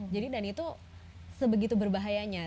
jadi dan itu sebegitu berbahayanya